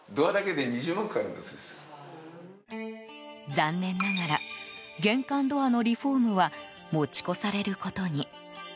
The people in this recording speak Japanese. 残念ながら玄関ドアのリフォームは持ち越されることに。